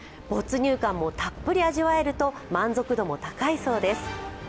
没入感もたっぷり味わえると満足度も高いそうです。